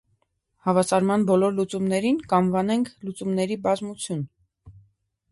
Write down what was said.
Հավասարման բոլոր լուծումներին կանվանենք լուծումների բազմություն։